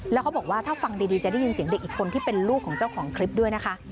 แล้วเขาบอกว่าถ้าฟังดีจะได้ยินเสียงเด็กอีกคนที่เป็นลูกของเจ้าของคลิปด้วยนะคะ